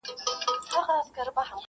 یو د بل په کور کي تل به مېلمانه وه!